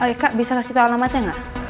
oke kak bisa kasih tau alamatnya gak